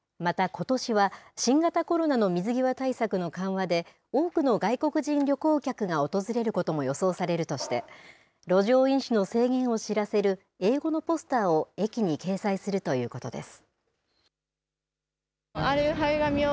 またことしは、新型コロナの水際対策の緩和で、多くの外国人旅行客が訪れることも予想されるとして、路上飲酒の制限を知らせる英語のポスターを駅に掲載するということです。